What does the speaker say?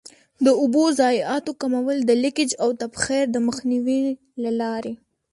د اوبو ضایعاتو کمول د لیکج او تبخیر د مخنیوي له لارې.